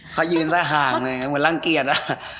เขายืนซ้ายห่างเหมือนร่างเกียจอะ